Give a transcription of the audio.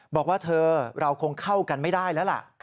บอกว่าเธอเราคงเข้ากันไม่ได้แล้วล่ะ